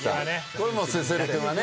これＳＵＳＵＲＵ君はね